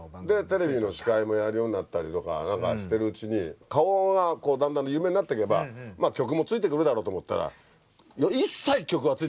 テレビの司会もやるようになったりとか何かしてるうちに顔がだんだん有名になっていけば曲もついてくるだろうと思ったら一切曲はついてこないんだよね